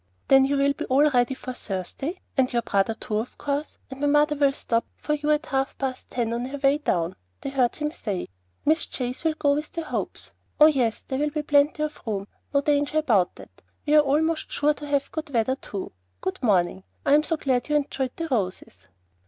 "Then you will be all ready for Thursday, and your brother too, of course, and my mother will stop for you at half past ten on her way down," they heard him say. "Miss Chase will go with the Hopes. Oh, yes; there will be plenty of room. No danger about that. We're almost sure to have good weather too. Good morning. I'm so glad you enjoyed the roses."